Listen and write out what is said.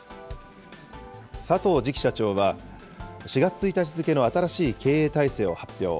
佐藤次期社長は、４月１日付の新しい経営体制を発表。